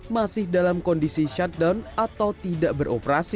masih dalam kondisi shutdown atau tidak beroperasi